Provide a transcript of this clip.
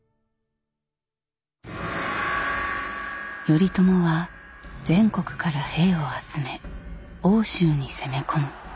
頼朝は全国から兵を集め奥州に攻め込む。